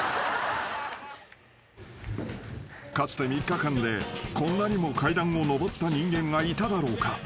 ［かつて３日間でこんなにも階段を上った人間がいただろうか？］